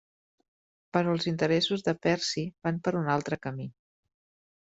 Però els interessos de Percy van per un altre camí.